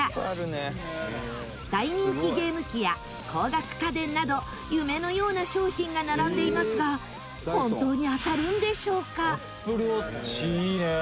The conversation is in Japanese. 大人気ゲーム機や高額家電など夢のような商品が並んでいますが本当に当たるんでしょうか？